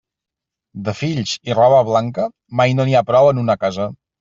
De fills i roba blanca, mai no n'hi ha prou en una casa.